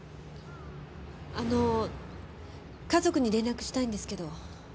あの家族に連絡したいんですけど。